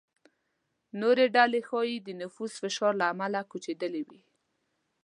نورې ډلې ښايي د نفوس فشار له امله کوچېدلې وي.